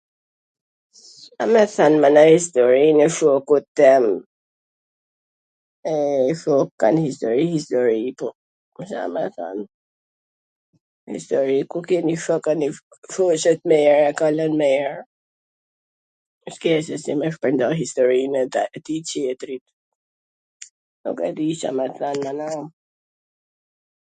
Ca me thwn me njw historin e shokut tem, e nji shok ka njw histori histori po, Ca me than, histori kur ke njw shok a njw shoqe t mir e kalon mir, s ke se si me shpwrnda historin e atij tjetrit, nuk e di Ca me than ene un,